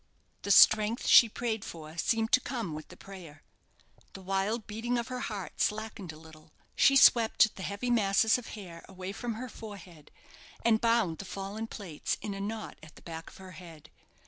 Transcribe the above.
The strength she prayed for seemed to come with the prayer. The wild beating of her heart slackened a little. She swept the heavy masses of hair away from her forehead, and bound the fallen plaits in a knot at the back of her head.